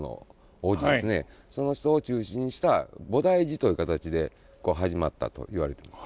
その人を中心にした菩提寺という形で始まったと言われてます。